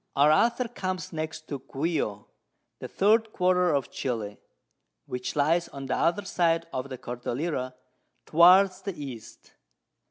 _] Our Author comes next to Guio, the third Quarter of Chili, which lies on the other side of the Cordillera, towards the East.